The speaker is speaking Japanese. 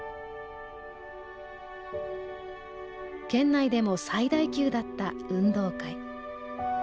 県内でも最大級だった運動会。